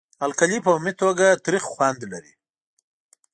القلي په عمومي توګه تریخ خوند لري.